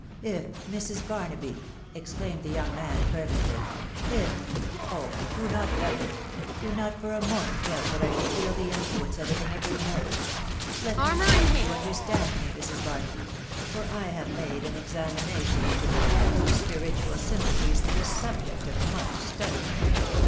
" If, Mrs. Barnaby !" exclaimed the young man fervently, " If ... I oh \ do not doubt it .... do not for a moment doubt that I should feel the influence of it in every nerve. Let me teach you to understand me, Mrs. Barnaby, .... for I have made an examination into the effects of spiritual sym pathies the subject of much study.